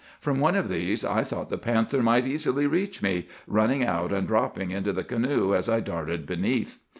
From one of these, I thought the panther might easily reach me, running out and dropping into the canoe as I darted beneath.